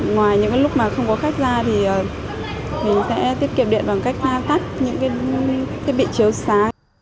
ngoài những lúc mà không có khách ra thì mình sẽ tiết kiệm điện bằng cách ta tắt những cái bị chiếu xá